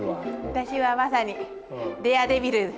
私はまさにデアデビル！